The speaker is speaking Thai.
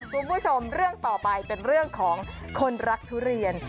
คุณผู้ชมเรื่องต่อไปเป็นเรื่องของคนรักทุเรียน